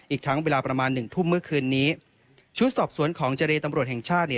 อีกทั้งเวลาประมาณหนึ่งทุ่มเมื่อคืนนี้ชุดสอบสวนของเจรตำรวจแห่งชาติ